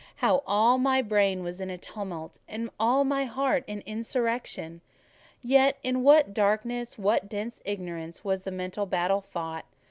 How all my brain was in tumult, and all my heart in insurrection! Yet in what darkness, what dense ignorance, was the mental battle fought!